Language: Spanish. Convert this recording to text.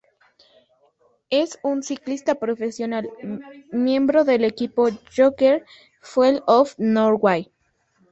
Es un ciclista profesional miembro del equipo Joker Fuel of Norway.